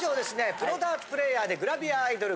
プロダーツプレーヤーでグラビアアイドル